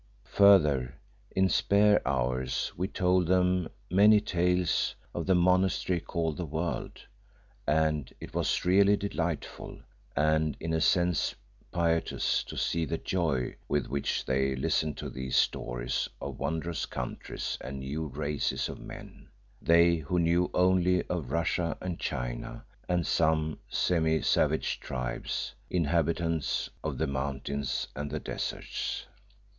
Further, in spare hours we told them many tales of "the Monastery called the World," and it was really delightful, and in a sense piteous, to see the joy with which they listened to these stories of wondrous countries and new races of men; they who knew only of Russia and China and some semi savage tribes, inhabitants of the mountains and the deserts.